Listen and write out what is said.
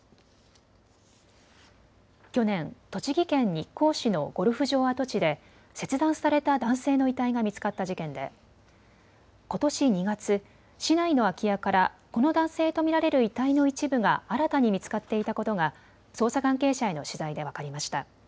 去年、栃木県日光市のゴルフ場跡地で切断された男性の遺体が見つかった事件でことし２月、市内の空き家からこの男性と見られる遺体の一部が新たに見つかっていたことが捜査関係者への取材で分かりました。